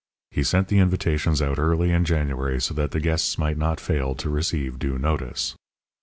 He sent the invitations out early in January so that the guests might not fail to receive due notice.